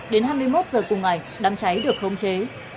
đến hai mươi một h cùng ngày đám cháy được khống chế